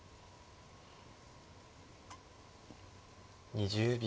２０秒。